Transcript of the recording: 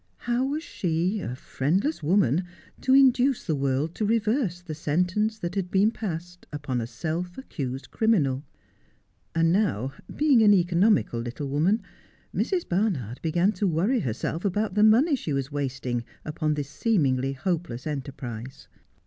How was she, a friendless woman, to induce the world to reverse the sentence that had been passed upon a self accused criminal 1 And now, being an economical little woman, Mrs. Barnard began to worry herself about the money she was wasting upon this seemingly hopeless enterprise.